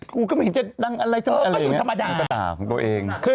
กูก็ไม่เห็นจะดั่งอะไรแถวนี้